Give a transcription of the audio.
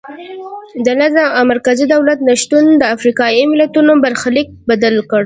د نظم او مرکزي دولت نشتون د افریقایي ملتونو برخلیک بدل کړ.